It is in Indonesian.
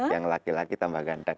yang laki laki tambah gandak